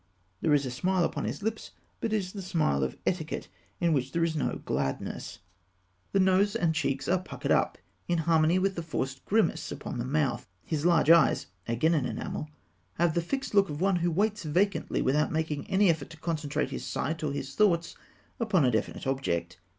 There is a smile upon his lips, but it is the smile of etiquette, in which there is no gladness. The nose and cheeks are puckered up in harmony with the forced grimace upon the mouth. His large eyes (again in enamel) have the fixed look of one who waits vacantly, without making any effort to concentrate his sight or his thoughts upon a definite object.